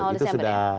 awal desember ya